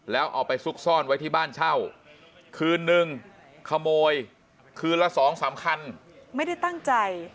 แล้วเอาไปซุกซ่อนไว้ที่บ้านเช่าคืนนึงขโมยคืนละสองสามคันไม่ได้ตั้งใจ